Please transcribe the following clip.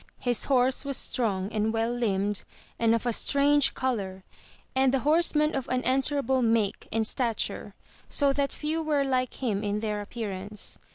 His horse was strong and well Hmbed and of a strange colour, and the horseman of an an swerable make and stature, so that few were like him in their appearance.